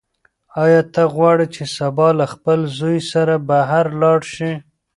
ایا ته غواړې چې سبا له خپل زوی سره بهر لاړه شې؟